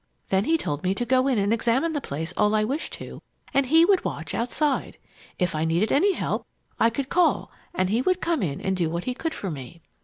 Then he told me to go in and examine the place all I wished to and he would watch outside. If I needed any help, I could call and he would come in and do what he could for me.